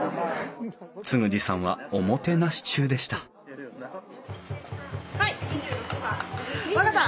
嗣二さんはおもてなし中でした知亜季さん。